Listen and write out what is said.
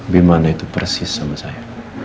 bimana itu persis sama saya